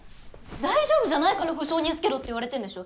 大丈夫じゃないから保証人つけろって言われてんでしょ！？